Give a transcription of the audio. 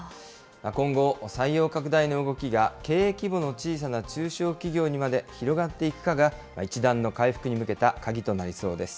今後、採用拡大の動きが経営規模の小さな中小企業にまで広がっていくかが、一段の回復に向けた鍵となりそうです。